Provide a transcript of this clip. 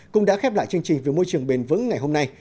cũng đã khép lại chương trình vì môi trường bền vững ngày hôm nay